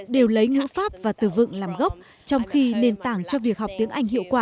đều lấy ngữ pháp và từ vựng làm gốc trong khi nền tảng cho việc học tiếng anh hiệu quả